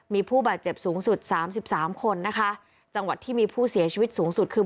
มีผู้บาดเจ็บสูงสุดสามสิบสามคนนะคะจังหวัดที่มีผู้เสียชีวิตสูงสุดคือ